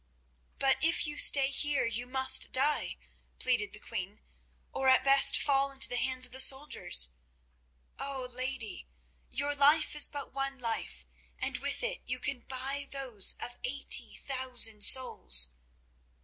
"But if you stay here you must die," pleaded the queen, "or at best fall into the hands of the soldiers. Oh! lady, your life is but one life, and with it you can buy those of eighty thousand souls."